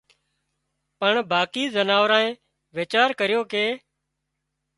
پڻ باقي زناوارنئي ويچار ڪريو ڪي